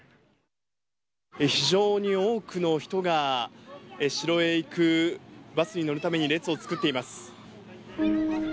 非常に多くの人が、城へ行くバスに乗るために列を作っています。